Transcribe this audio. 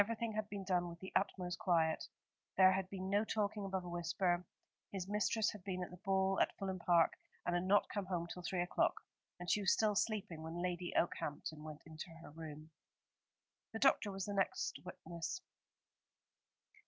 Everything had been done with the utmost quiet. There had been no talking above a whisper. His mistress had been at the ball at Fulham Park, and had not come home till three o'clock, and she was still sleeping when Lady Okehampton went into her room." The doctor was the next witness.